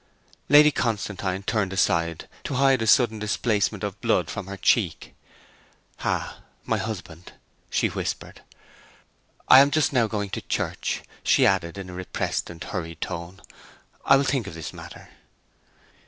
Lady Constantine turned aside to hide a sudden displacement of blood from her cheek. 'Ah my husband!' she whispered. ... 'I am just now going to church,' she added in a repressed and hurried tone. 'I will think of this matter.'